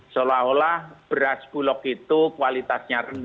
seolah olah beras bulog itu kualitasnya lebih tinggi